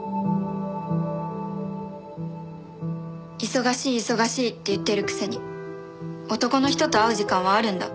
忙しい忙しいって言ってるくせに男の人と会う時間はあるんだ。